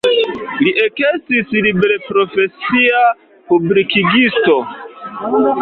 Li ekestis liberprofesia publikigisto.